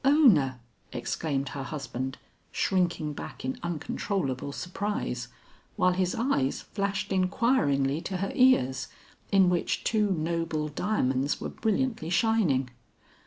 "Ona!" exclaimed her husband, shrinking back in uncontrollable surprise, while his eyes flashed inquiringly to her ears in which two noble diamonds were brilliantly shining.